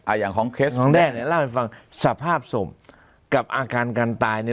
อย่างของเคสของแด้เนี้ยเล่าให้ฟังสภาพศพกับอาการการตายเนี่ย